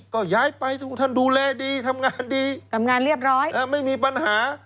ก็ย้ายไปทุกท่านดูแลดีทำงานดีทำงานเรียบร้อยไม่มีปัญหา